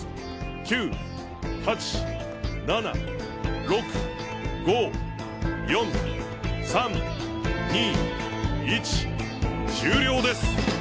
９８７６５４３２１終了です！